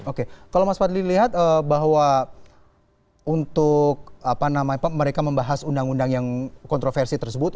oke kalau mas fadli lihat bahwa untuk mereka membahas undang undang yang kontroversi tersebut